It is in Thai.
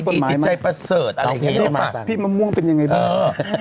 ดีจิตใจประเสริฐอะไรอย่างงี้ใช่ป่ะลูกมาสังพี่มันมั่งเป็นยังไงอื้อ